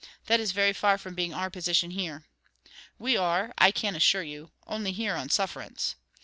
That is very far from being our position here. We are, I can assure you, only here on sufferance.